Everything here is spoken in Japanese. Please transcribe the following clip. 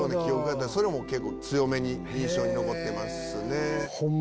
それも結構強めに印象に残ってますね。